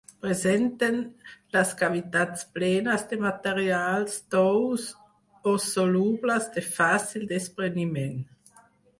Presenten les cavitats plenes de materials tous o solubles de fàcil despreniment.